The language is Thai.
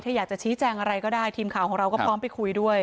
ถ้าอยากจะชี้แจงอะไรก็ได้ทีมข่าวของเราก็พร้อมไปคุยด้วย